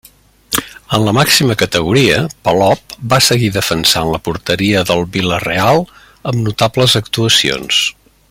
En la màxima categoria, Palop, va seguir defensant la porteria del Vila-real amb notables actuacions.